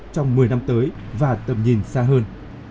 trong một mươi năm tới và tầm nhìn xa hơn